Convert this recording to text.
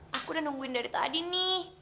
aku udah nungguin dari tadi nih